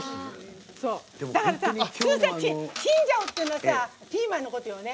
だからさチンジャオっていうのはピーマンのことよね。